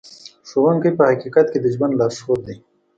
ښوونکی په حقیقت کې د ژوند لارښود دی.